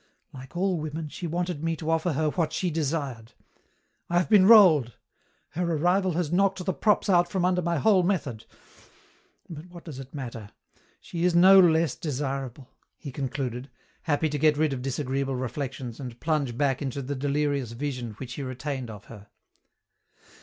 Like all women, she wanted me to offer her what she desired. I have been rolled. Her arrival has knocked the props out from under my whole method. But what does it matter? She is no less desirable," he concluded, happy to get rid of disagreeable reflections and plunge back into the delirious vision which he retained of her.